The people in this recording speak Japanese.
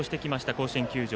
甲子園球場。